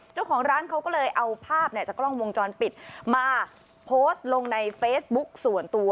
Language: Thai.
เจ้าของร้านเขาก็เลยเอาภาพจากกล้องวงจรปิดมาโพสต์ลงในเฟซบุ๊กส่วนตัว